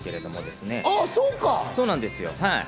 そうなんですよ。